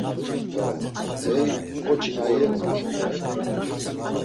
Hey ǩoçi na iyen kuşǩun.